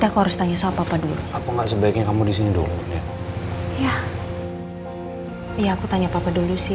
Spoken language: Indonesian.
aku tidur sebentar ya